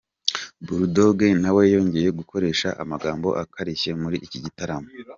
Bull Dogg nawe yongeye gukoresha amagambo akarishye muri iki gitaramo.